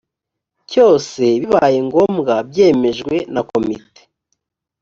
cyose bibaye ngombwa byemejwe na komite